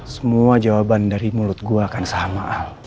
semua jawaban dari mulut gua akan sama